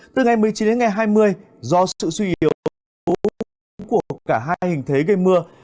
từ ngày một mươi chín đến ngày hai mươi do sự suy yếu của cả hai hình thế gây mưa